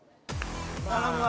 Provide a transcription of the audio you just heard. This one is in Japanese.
頼むわ。